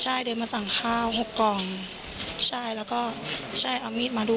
ใช่เดินมาสั่งข้าวหกกล่องใช่แล้วก็ใช่เอามีดมาด้วย